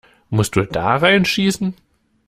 Musst du da rein schießen?